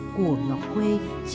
của ngọc huê